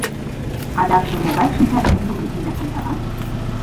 Адакшым могай шинча дене тудын ӱмбак ончалам?..